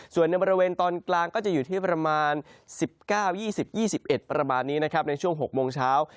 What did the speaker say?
ส่วนในบริเวณตอนกลางก็จะอยู่ที่ประมาณ๑๙๒๐๒๑ประมาณนี้นะครับในช่วง๖โมงเช้า